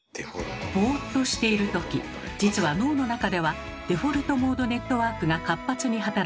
ボーっとしているとき実は脳の中ではデフォルトモードネットワークが活発に働き